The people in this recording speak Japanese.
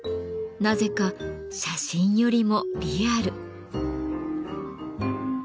なぜか写真よりもリアル。